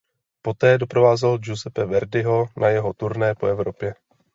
Poté doprovázel Giuseppe Verdiho na jeho turné po Evropě.